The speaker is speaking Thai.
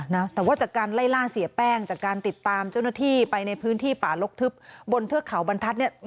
นะแต่ว่าจากการไล่ล่าเสียแป้งจากการติดตามเจ้าหน้าที่ไปในพื้นที่ป่าลกทึบบนเทือกเขาบรรทัศน์เนี่ย